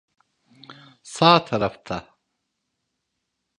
Sağ tarafta.